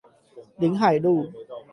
臨海路